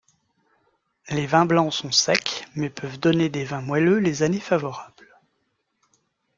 Les vins blancs sont secs, mais peuvent donner des vins moelleux les années favorables.